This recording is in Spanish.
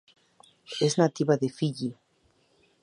Es nativa de Fiyi.